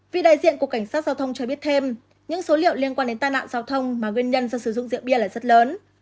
vị đại diện của cảnh sát giao thông cho biết thêm những số liệu liên quan đến tai nạn giao thông mà nguyên nhân do sử dụng rượu bia là rất lớn